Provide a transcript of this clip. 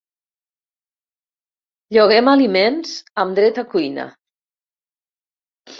Lloguem aliments amb dret a cuina.